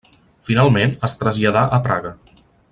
Finalment, es traslladà a Praga.